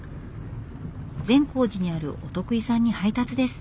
善光寺にあるお得意さんに配達です。